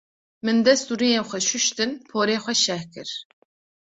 Min dest û rûyên xwe şûştin, porê xwe şeh kir.